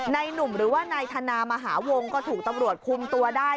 หนุ่มหรือว่านายธนามหาวงก็ถูกตำรวจคุมตัวได้